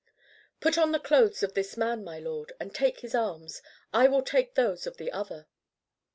"Put on the clothes of this man, my lord, and take his arms; I will take those of the other."